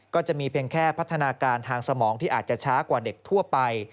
ก็จะมีเพียงแค่พัฒนาการทางสมองที่อาจจะช้ากว่าเด็กทั่วไป